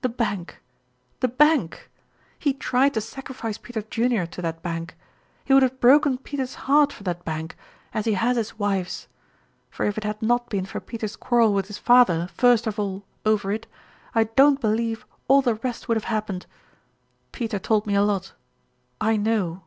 The bank, the bank! He tried to sacrifice Peter Junior to that bank. He would have broken Peter's heart for that bank, as he has his wife's; for if it had not been for Peter's quarrel with his father, first of all, over it, I don't believe all the rest would have happened. Peter told me a lot. I know."